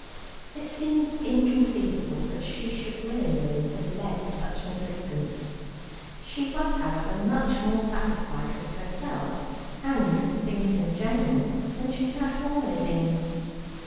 It seems inconceivable that she should willingly have led such an existence. She was however, much more satisfied with herself and with things in general, than she had formerly been.